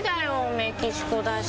メキシコだし。